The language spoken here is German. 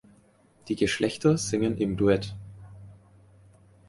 Die Geschlechter singen im Duett.